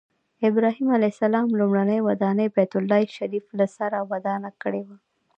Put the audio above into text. ابراهیم علیه السلام لومړنۍ ودانۍ بیت الله شریفه له سره ودانه کړې وه.